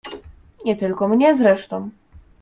"Nie tylko mnie zresztą."